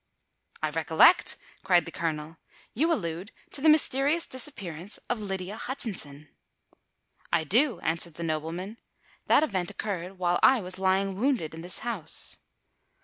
"I recollect!" cried the Colonel: "you allude to the mysterious disappearance of Lydia Hutchinson." "I do," answered the nobleman. "That event occurred while I was lying wounded in this house."